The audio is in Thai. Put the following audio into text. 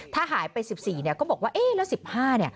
ถ้าหายไป๑๔เนี่ยก็บอกว่าเอ๊ะแล้ว๑๕เนี่ย